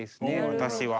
私は。